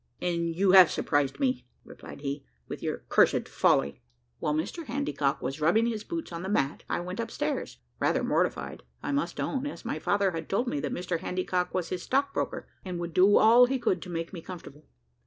"And you have surprised me," replied he, "with your cursed folly." While Mr Handycock was rubbing his boots on the mat, I went upstairs, rather mortified, I must own, as my father had told me that Mr Handycock was his stock broker, and would do all he could to make me comfortable.